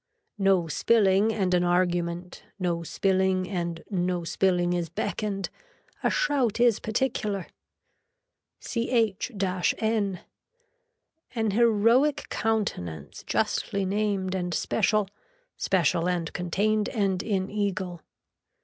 No spilling and an argument, no spilling and no spilling is beckoned. A shout is particular. CH N. An heroic countenance justly named and special, special and contained and in eagle.